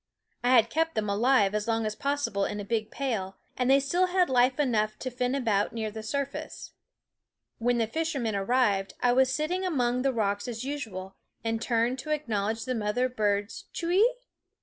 I had kept them alive as long as possible in a big pail, and they still had life enough to fin about near the surface. When the fishermen arrived I was sitting among the rocks as usual, and turned to acknowledge the mother bird's Ctiwee?